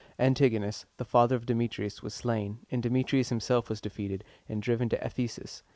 Antigonus, the father of Demetrius, was slain, and Demetrius himself was defeated, and driven to Ephesus.